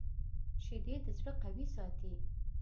شیدې د زړه قوي ساتي